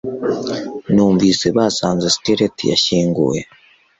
Numvise basanze skelet yashyinguwe